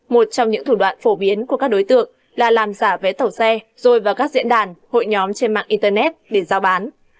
một trong những thủ đoạn phổ biến của các đối tượng là làm giả vé tàu xe rồi vào các diễn đàn hội nhóm trên mạng internet để giao bán